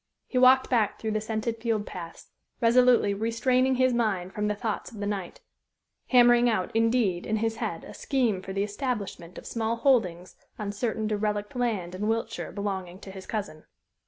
He walked back through the scented field paths, resolutely restraining his mind from the thoughts of the night, hammering out, indeed, in his head a scheme for the establishment of small holdings on certain derelict land in Wiltshire belonging to his cousin.